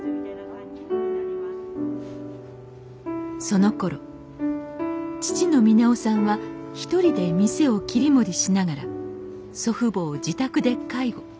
そのころ父の峰雄さんは一人で店を切り盛りしながら祖父母を自宅で介護。